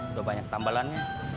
udah banyak tambelannya